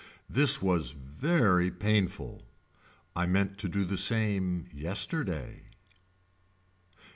This was very painful. I meant to do the same yesterday.